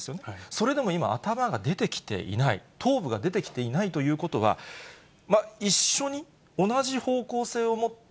それでも今、頭が出てきていない、頭部が出てきていないということは、一緒に、同じ方向性を持って、